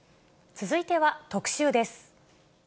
続いては特集です。